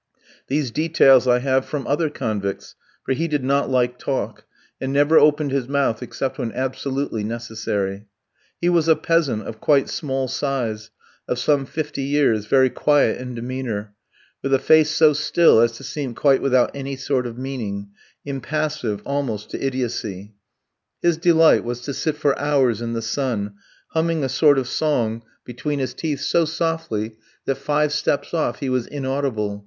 These details I have from other convicts, for he did not like talk, and never opened his mouth except when absolutely necessary. He was a peasant, of quite small size, of some fifty years, very quiet in demeanour, with a face so still as to seem quite without any sort of meaning, impassive almost to idiotcy. His delight was to sit for hours in the sun humming a sort of song between his teeth so softly, that five steps off he was inaudible.